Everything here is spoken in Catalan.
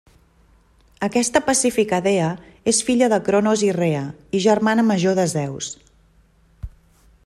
Aquesta pacífica dea és filla de Cronos i Rea i germana major de Zeus.